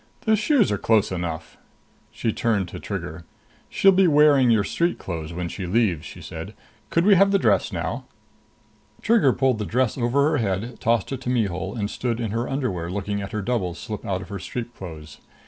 "The shoes are close enough." She turned to Trigger. "She'll be wearing your street clothes when she leaves," she said. "Could we have the dress now?" Trigger pulled the dress over her head, tossed it to Mihul and stood in her underwear, looking at her double slip out of her street clothes.